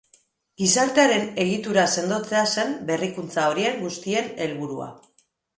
Gizartearen egitura sendotzea zen berrikuntza horien guztien helburua.